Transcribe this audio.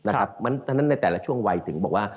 เพราะฉะนั้นในแต่ละช่วงวัยถึงบอกว่า